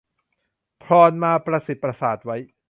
พรหมาประสิทธิ์ประสาทไว้